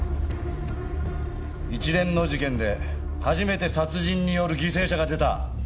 一連の事件で初めて殺人による犠牲者が出た。